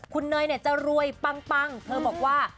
คุณเนยเนี่ยจะรวยปังเธอบอกว่า